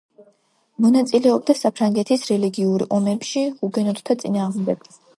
მონაწილეობდა საფრანგეთის რელიგიური ომებში ჰუგენოტთა წინააღმდეგ.